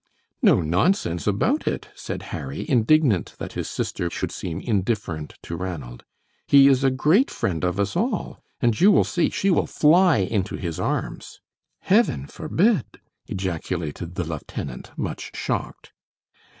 "No nonsense about it," said Harry, indignant that his sister should seem indifferent to Ranald. "He is a great friend of us all; and you will see she will fly into his arms." "Heaven forbid!" ejaculated the lieutenant, much shocked.